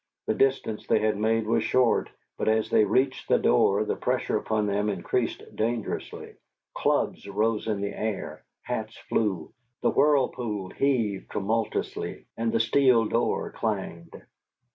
The distance they had made was short, but as they reached the door the pressure upon them increased dangerously. Clubs rose in the air, hats flew, the whirlpool heaved tumultuously, and the steel door clanged.